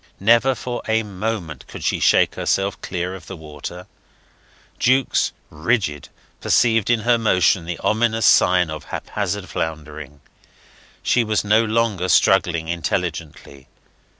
Never for a moment could she shake herself clear of the water; Jukes, rigid, perceived in her motion the ominous sign of haphazard floundering. She was no longer struggling intelligently.